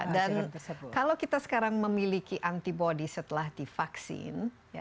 dan kalau kita sekarang memiliki antibody setelah divaksin